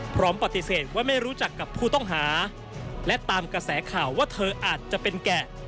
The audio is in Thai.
พร้อมปฏิเสธว่าไม่รู้จักกับผู้ต้องหาและตามกระแสข่าวว่าเธออาจจะเป็นแกะ